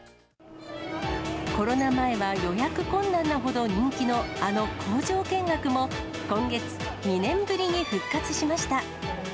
コロナ前は予約困難なほど人気のあの工場見学も、今月、２年ぶりに復活しました。